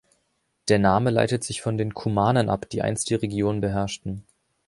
Der Name leitet sich von den Kumanen ab, die einst die Region beherrschten.